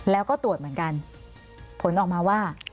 แล้วก็ตรวจเหมือนกันผลออกมาว่า